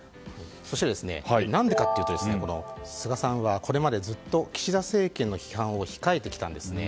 そして、何でかというと菅さんはこれまでずっと岸田政権の批判を控えてきたんですね。